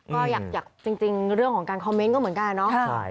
ก็อยากจริงเรื่องของการคอมเมนต์ก็เหมือนกันเนาะ